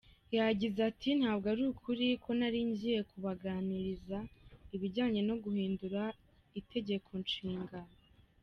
Yagize ati “Ntabwo ari ukuri ko nari ngiye kubaganiriza ibijyanye no guhindura Iregeko Nshinga.